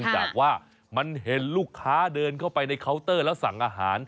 จากว่ามันเห็นลูกค้าเดินเข้าไปในเคาน์เตอร์แล้วสั่งอาหาร